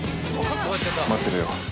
待ってろよ。